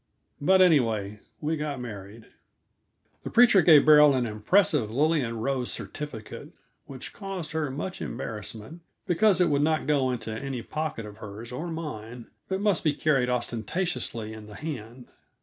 But, anyway, we got married. The preacher gave Beryl an impressive lily and rose certificate, which caused her much embarrassment, because it would not go into any pocket of hers or mine, but must be carried ostentatiously in the hand.